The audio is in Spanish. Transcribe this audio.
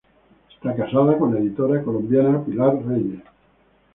Está casado con la editora colombiana Pilar Reyes.